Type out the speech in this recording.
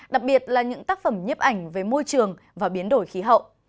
đặc biệt là những tác phẩm nhiếp ảnh về môi trường và biến đổi khí hậu